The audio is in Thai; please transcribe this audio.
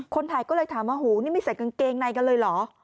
ถ่ายก็เลยถามว่าหูนี่ไม่ใส่กางเกงในกันเลยเหรอ